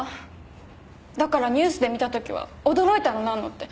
だからニュースで見た時は驚いたのなんのって。